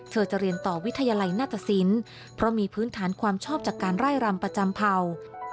จะเรียนต่อวิทยาลัยหน้าตสินเพราะมีพื้นฐานความชอบจากการไล่รำประจำเผ่า